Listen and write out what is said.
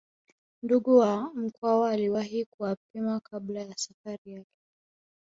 Ndugu wa Mkwawa aliwahi kuwapima kabla ya Safari yake